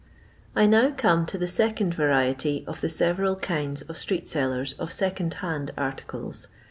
I Kow come to the second variety of the several kinds of street sellers of second hand articles.